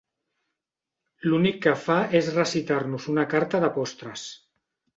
L'únic que fa és recitar-nos una carta de postres.